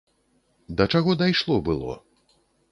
Да чаго дайшло было.